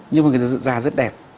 nhưng mà người già rất đẹp